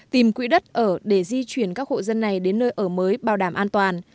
tìm quỹ đất ở để di chuyển các hộ dân này đến nơi ở mới bảo đảm an toàn